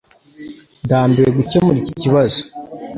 Ndambiwe gukemura iki kibazo